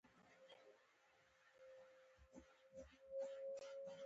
نو په دې وخت کې نالوستي خلک افسوس کوي.